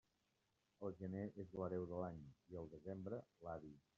El gener és l'hereu de l'any, i el desembre, l'avi.